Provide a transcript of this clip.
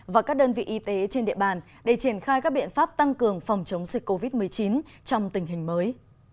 và các đơn vị y tế trên địa bàn để triển khai các biện pháp tăng cường phòng chống dịch covid một mươi chín trong tình hình mới